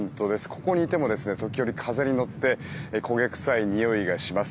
ここにいても時折、風に乗って焦げ臭いにおいがします。